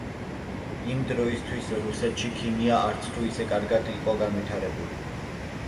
იმ დროისთვის რუსეთში ქიმია არც თუ ისე კარგად იყო განვითარებული.